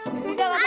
udah gak apa apa